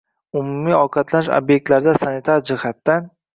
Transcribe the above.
umumiy ovqatlanish ob’ektlarida sanitar jihatidan